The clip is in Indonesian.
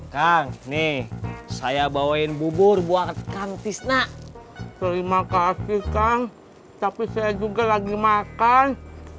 kang nih saya bawain bubur buat kantisna terima kasih kang tapi saya juga lagi makan